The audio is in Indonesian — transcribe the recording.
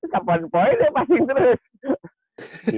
kapan poin ya pasti terus